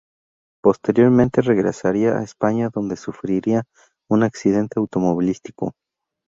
Posteriormente regresaría a España, donde sufriría un accidente automovilístico.